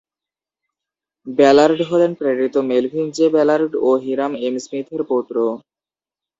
Ballad হলেন প্রেরিত Melvin J. Ballard ও হিরাম এম. স্মিথের পৌত্র।